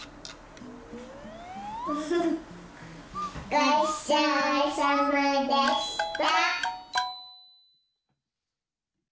ごちそうさまでした。